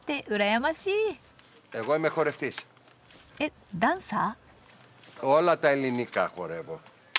えっダンサー？